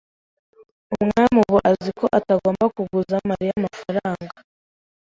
Uwimana ubu azi ko atagomba kuguza Mariya amafaranga.